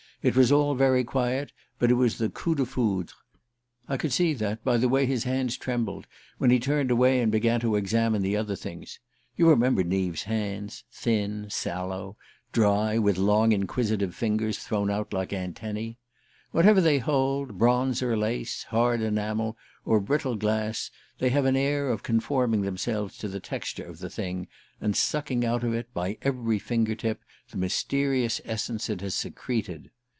It was all very quiet, but it was the coup de foudre. I could see that by the way his hands trembled when he turned away and began to examine the other things. You remember Neave's hands thin, sallow, dry, with long inquisitive fingers thrown out like antennae? Whatever they hold bronze or lace, hard enamel or brittle glass they have an air of conforming themselves to the texture of the thing, and sucking out of it, by every finger tip, the mysterious essence it has secreted.